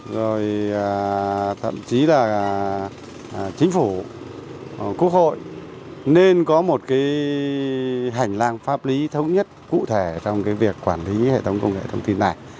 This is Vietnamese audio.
rồi thậm chí là chính phủ quốc hội nên có một cái hành lang pháp lý thống nhất cụ thể trong cái việc quản lý hệ thống công nghệ thông tin này